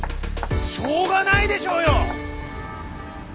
しょうがないでしょうよ！